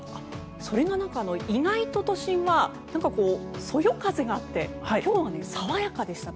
それが意外と都心はそよ風があって今日は爽やかでした。